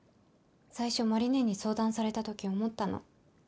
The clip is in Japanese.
最初麻里姉に相談されたとき思ったの。